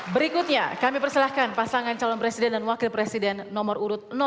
berikutnya kami persilahkan pasangan calon presiden dan wakil presiden nomor urut satu